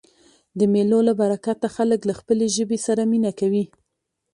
د مېلو له برکته خلک له خپلي ژبي سره مینه کوي.